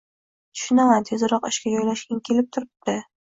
Tushunaman, tezroq ishga joylashging kelib turibdi